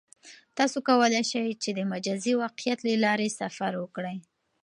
تاسو کولای شئ چې د مجازی واقعیت له لارې سفر وکړئ.